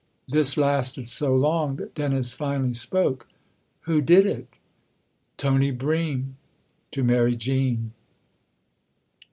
This lasted so long that Dennis finally spoke. "Who did it?" " Tony Bream to marry Jean."